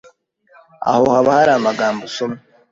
aho haba hari amagambo usoma